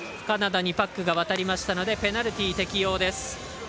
カナダにパックが渡りましたのでペナルティー適用です。